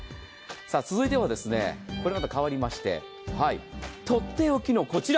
続いては、これまた変わりましてとっておきのこちら。